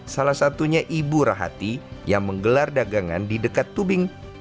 salah satunya ibu rahati yang menggelar dagangan di dekat tubing